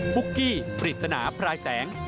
ปุ๊กกี้ปริศนาพลายแสง